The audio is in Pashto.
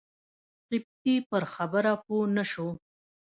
قبطي پر خبره پوی نه شو.